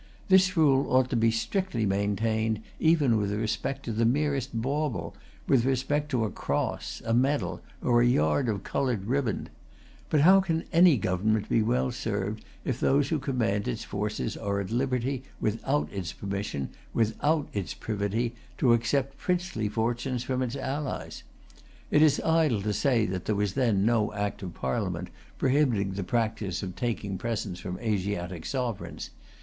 This rule ought to be strictly maintained even with respect to the merest bauble, with respect to a cross, a medal, or a yard of coloured riband. But how can any government be well served, if those who command its forces are at liberty, without its permission, without its privity, to accept princely fortunes from its allies? It is idle to say that there was then no Act of Parliament prohibiting the practice of taking presents from Asiatic sovereigns.